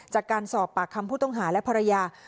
จากการสอบปากคำผู้ต้องหาและภรรยา